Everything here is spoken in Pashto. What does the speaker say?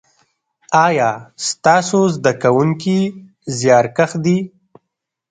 ایا ستاسو زده کونکي زیارکښ دي؟